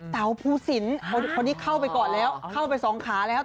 เสาภูสินคนนี้เข้าไปก่อนแล้วเข้าไปสองขาแล้ว